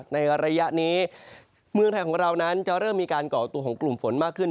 ในระยะนี้เมืองไทยของเรานั้นจะเริ่มมีการก่อตัวของกลุ่มฝนมากขึ้น